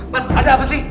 mas ada apa sih